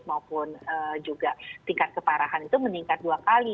maupun juga tingkat keparahan itu meningkat dua kali